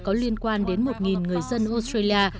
có liên quan đến một người dân australia